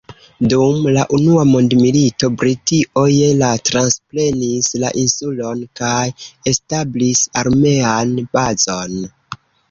Dum la unua mondmilito Britio je la transprenis la insulon kaj establis armean bazon.